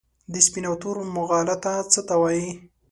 د سپین او تور مغالطه څه ته وايي؟